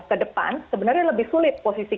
ke depan sebenarnya lebih sulit posisi